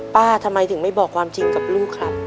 ทำไมถึงไม่บอกความจริงกับลูกครับ